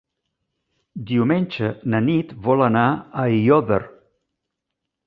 Diumenge na Nit vol anar a Aiòder.